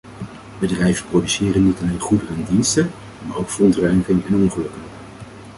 Bedrijven produceren niet alleen goederen en diensten, maar ook verontreiniging en ongelukken.